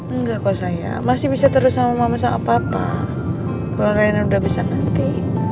enggak kok sayang masih bisa terus sama mama sama papa kalau lainnya udah bisa nanti